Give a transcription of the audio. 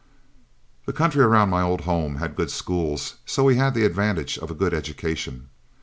The country around my old home had good schools, so we had the advantage of a good education.